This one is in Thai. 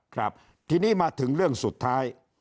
ครับทีนี้มาถึงเรื่องสุดท้าย